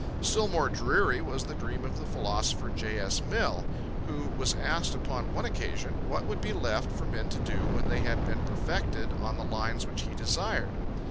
Still more dreary was the dream of the philosopher J. S. Mill, who was asked upon one occasion what would be left for men to do when they had been perfected on the lines which he desired.